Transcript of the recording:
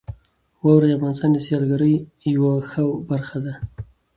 واوره د افغانستان د سیلګرۍ یوه ښه برخه ده.